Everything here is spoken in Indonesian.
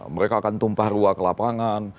mereka akan tumpah ruah ke lapangan